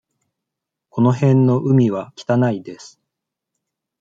この辺の海は汚いです。